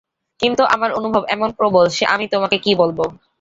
কিন্তু আমার অনুভব এমন প্রবল সে আমি তোমাকে কী বলব।